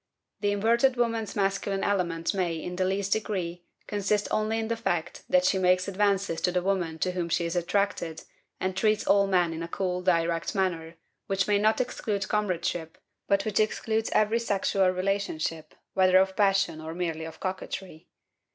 The inverted woman's masculine element may, in the least degree, consist only in the fact that she makes advances to the woman to whom she is attracted and treats all men in a cool, direct manner, which may not exclude comradeship, but which excludes every sexual relationship, whether of passion or merely of coquetry.